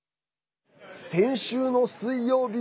先週の水曜日